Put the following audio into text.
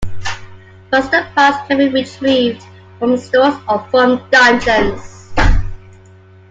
Buster Parts can be retrieved from stores or from dungeons.